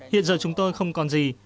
hiện giờ chúng tôi không còn gì